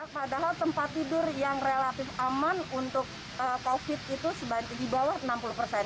padahal tempat tidur yang relatif aman untuk covid itu di bawah enam puluh persen